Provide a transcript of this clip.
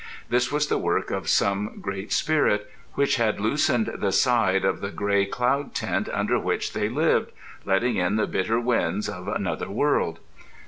This was the work of some Great Spirit which had loosened the side of the gray cloud tent under which they lived, letting in the bitter winds of another world.